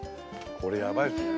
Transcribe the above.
これ、やばいですね。